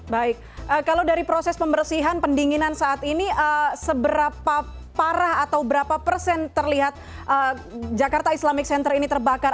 baik kalau dari proses pembersihan pendinginan saat ini seberapa parah atau berapa persen terlihat jakarta islamic center ini terbakar